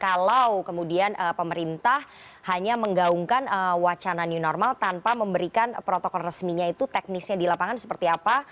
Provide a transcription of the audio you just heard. kalau kemudian pemerintah hanya menggaungkan wacana new normal tanpa memberikan protokol resminya itu teknisnya di lapangan seperti apa